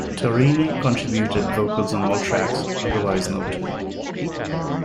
Torrini contributed vocals on all tracks, otherwise noted.